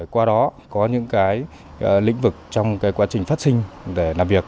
qua đó có những lĩnh vực trong quá trình phát sinh để làm việc